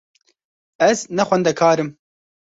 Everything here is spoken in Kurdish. Ez ne xwendekar im.